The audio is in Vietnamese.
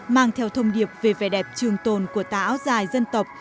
mang theo thông điệp về vẻ đẹp trường tồn của tà áo dài dân tộc